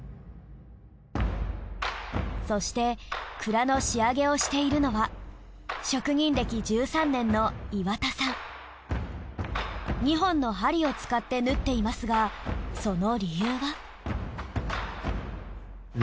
そして鞍の仕上げをしているのは２本の針を使って縫っていますがその理由は？